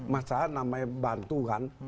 masyarakat namanya bantukan